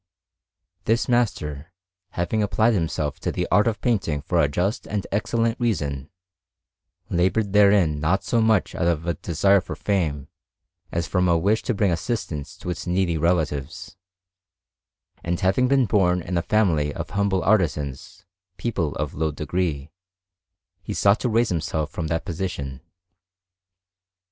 This master, having applied himself to the art of painting for a just and excellent reason, laboured therein not so much out of a desire for fame as from a wish to bring assistance to his needy relatives; and having been born in a family of humble artisans, people of low degree, he sought to raise himself from that position.